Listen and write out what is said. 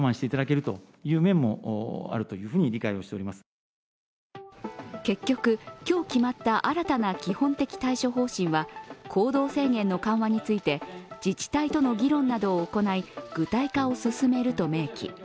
午後、国会でも結局、今日決まった新たな基本的対処方針は行動制限の緩和について、自治体との議論を進め具体化を進めると明記。